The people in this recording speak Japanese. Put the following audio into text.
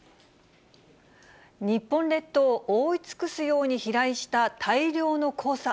日本列島を覆い尽くすように飛来した大量の黄砂。